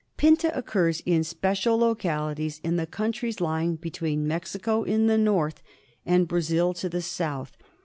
Pinta occurs in special localities in the countries lying between Mexico in the north and Brazil to the south.